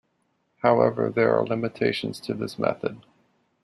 However there are limitations to this method.